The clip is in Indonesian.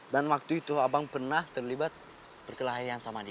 dan waktu itu abang pernah terlibat berkelahiran sama dia